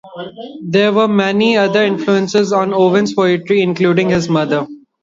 There were many other influences on Owen's poetry, including his mother.